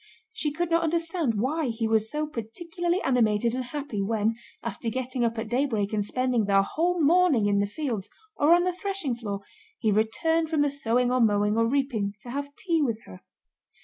She could not understand why he was so particularly animated and happy when, after getting up at daybreak and spending the whole morning in the fields or on the threshing floor, he returned from the sowing or mowing or reaping to have tea with her.